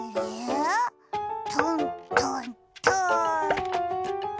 トントントン！